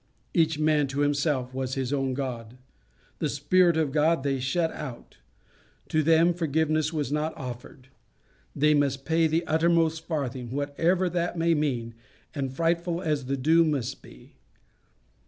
Each man to himself was his own god. The Spirit of God they shut out. To them forgiveness was not offered. They must pay the uttermost farthing whatever that may mean and frightful as the doom must be.